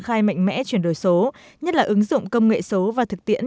để tự động triển khai mạnh mẽ chuyển đổi số nhất là ứng dụng công nghệ số và thực tiễn